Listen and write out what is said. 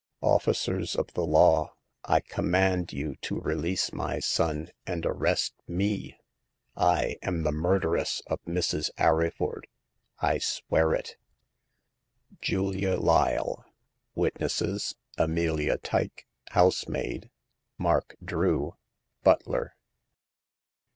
Officers of the law, I command you to release my son and arrest me. I am the murderess of Mrs. Arryford. I swear it. "Witnesses: Julia Lyle. " Amelia Tyke (housemaid). " Mark Drew (butler)."